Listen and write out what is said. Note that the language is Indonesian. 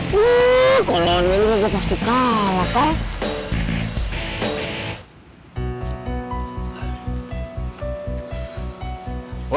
wuuu kalo lawan meli gue pasti kalah kal